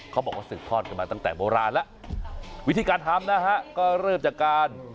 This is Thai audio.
เขาบอกว่าสืบทอดกันมาตั้งแต่โบราณแล้ววิธีการทำนะฮะก็เริ่มจากการ